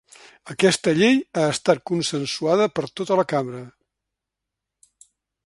Aquesta llei ha estat consensuada per tota la cambra.